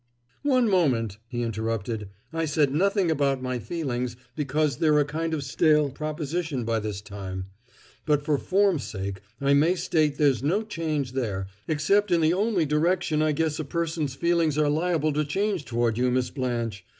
"One moment," he interrupted. "I said nothing about my feelings, because they're a kind of stale proposition by this time; but for form's sake I may state there's no change there, except in the only direction I guess a person's feelings are liable to change toward you, Miss Blanche!